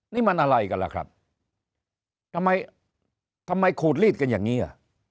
นี่มันอะไรกันล่ะครับทำไมทำไมขูดลีดกันอย่างนี้อ่ะ